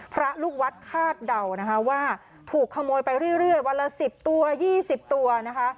พระลูกวัดคาดเดานะคะว่าถูกขโมยไปเรื่อยเรื่อยวันละสิบตัวยี่สิบตัวนะคะ